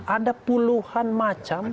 ada puluhan macam